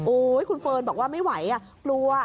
โอ้ยคุณเฟิร์นบอกว่าไม่ไหวอ่ะรู้อ่ะ